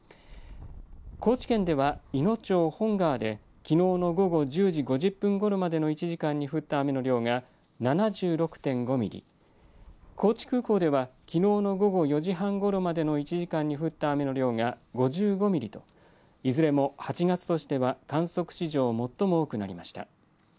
高知県ではいの町本川できのうの午後１０時５０分ごろまでの１時間に降った雨の量が７６．５ミリ、高知空港ではきのうの午後４時半ごろまでの１時間に降った雨の量が５５ミリといずれも８月としては観測史上最も多くなりました。